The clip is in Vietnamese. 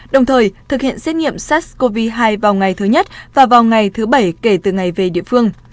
đồng thời thực hiện xét nghiệm sars cov hai vào ngày thứ nhất và vào ngày thứ bảy kể từ ngày về địa phương